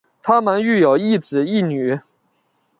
她们育有一子一女。